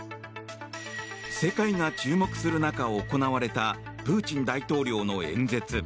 世界が注目する中行われたプーチン大統領の演説。